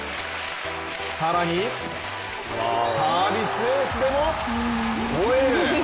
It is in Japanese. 更にサービスエースでも、ほえる。